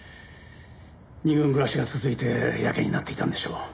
２軍暮らしが続いてヤケになっていたのでしょう。